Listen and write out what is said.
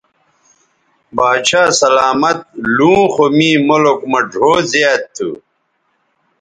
باچھا سلامت لوں خو می ملک مہ ڙھؤ زیات تھو